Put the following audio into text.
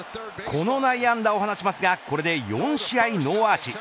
この内野安打を放ちますがこれで４試合ノーアーチ。